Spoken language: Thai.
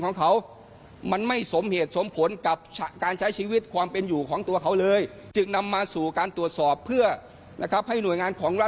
อ๋อลองฟังหน่อยไหมค่ะตอนที่ทนายอันพูดเรื่องนี้ค่ะ